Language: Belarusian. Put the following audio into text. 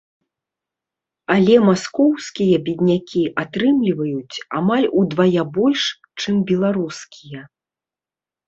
Але маскоўскія беднякі атрымліваюць амаль удвая больш, чым беларускія.